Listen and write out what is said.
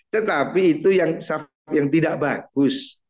tetapi itu yang tidak bagus